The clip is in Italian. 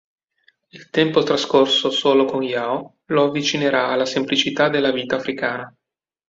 Il tempo trascorso solo con Yao lo avvicinerà alla semplicità della vita africana.